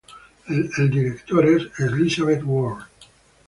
El director es Elisabeth Ward.